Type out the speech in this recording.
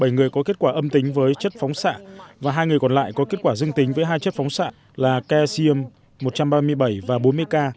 bảy người có kết quả âm tính với chất phóng xạ và hai người còn lại có kết quả dương tính với hai chất phóng xạ là casium một trăm ba mươi bảy và bốn mươi k